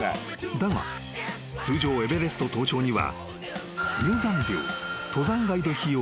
［だが通常エベレスト登頂には］